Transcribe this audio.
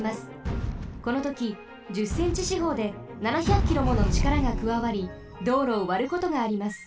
このとき１０センチしほうで７００キロものちからがくわわり道路をわることがあります。